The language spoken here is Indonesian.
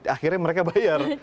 akhirnya mereka bayar